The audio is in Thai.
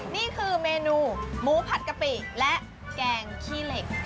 นี่คือเมนูหมูผัดกะปิและแกงขี้เหล็ก